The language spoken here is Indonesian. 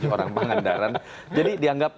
orang pangandaran jadi dianggap